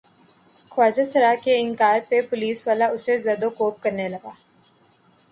خواجہ سرا کے انکار پہ پولیس والا اسے زدوکوب کرنے لگا۔